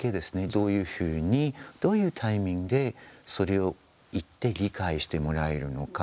どういうふうに、どういうタイミングでそれを言って理解してもらえるのか。